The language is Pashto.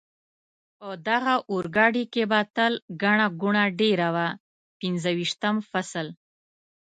په دغه اورګاډي کې به تل ګڼه ګوڼه ډېره وه، پنځه ویشتم فصل.